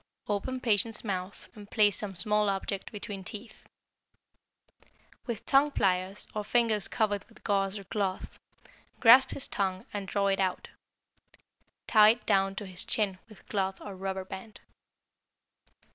Open patient's mouth and place some small object between teeth. With tongue pliers or fingers covered with gauze or cloth, grasp his tongue and draw it out. Tie it down to his chin with cloth or rubber band.